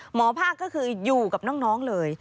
หมอภาคก็คืออยู่กับน้องเลย